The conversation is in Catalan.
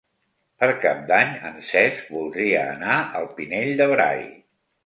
Per Cap d'Any en Cesc voldria anar al Pinell de Brai.